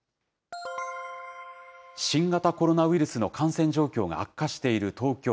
新型コロナウイルスの感染状況が悪化している東京。